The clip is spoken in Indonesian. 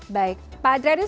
baik pak adrianus